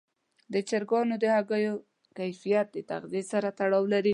د چرګانو د هګیو کیفیت د تغذیې سره تړاو لري.